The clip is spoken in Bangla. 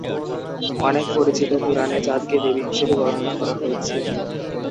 অনেক পরিচিত পুরাণে চাঁদকে দেবী হিসেবে বর্ণনা করা হয়েছে।